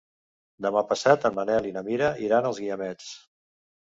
Demà passat en Manel i na Mira iran als Guiamets.